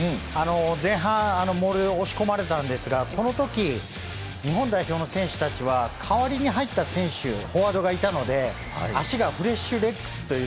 前半、モール押し込まれたんですがこの時、日本代表の選手たちは代わりに入った選手フォワードがいたので足がフレッシュレッグス